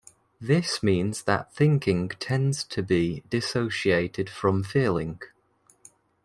This means that thinking tends to be dissociated from feeling.